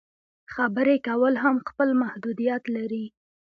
خبرې کول هم خپل محدودیت لري.